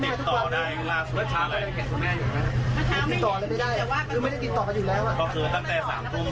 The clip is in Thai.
เมื่อวานดูเสร็จอยู่ไหม